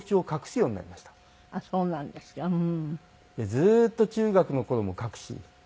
ずっと中学の頃も隠し。